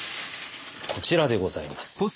こちらでございます。